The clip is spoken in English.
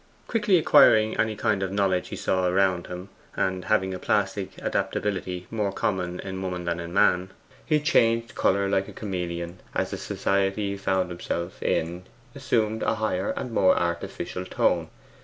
Quickly acquiring any kind of knowledge he saw around him, and having a plastic adaptability more common in woman than in man, he changed colour like a chameleon as the society he found himself in assumed a higher and more artificial tone.